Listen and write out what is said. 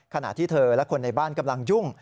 ขณะที่เธอและคนในบ้านกำลังยุ่ง